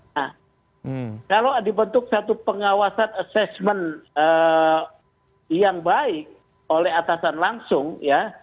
nah kalau dibentuk satu pengawasan assessment yang baik oleh atasan langsung ya